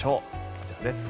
こちらです。